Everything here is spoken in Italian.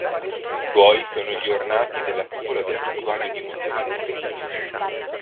Suoi sono gli ornati della cupola del Santuario di Montenero.